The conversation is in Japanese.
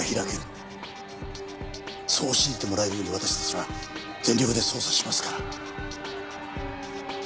そう信じてもらえるように私たちは全力で捜査しますから。